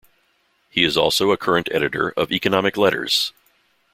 He is also a current editor of Economic Letters.